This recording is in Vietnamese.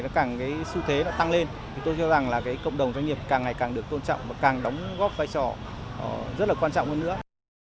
và con số việc làm trong khối dân doanh này ngày càng su thế tăng lên tôi cho rằng cộng đồng doanh nghiệp càng ngày càng được tôn trọng và càng đóng góp vai trò rất là quan trọng hơn nữa